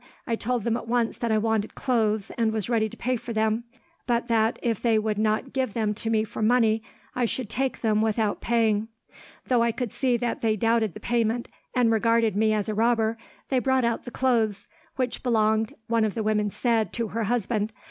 I told them at once that I wanted clothes, and was ready to pay for them; but that, if they would not give them to me for money, I should take them without paying. Though I could see that they doubted the payment, and regarded me as a robber, they brought out the clothes, which belonged, one of the women said, to her husband.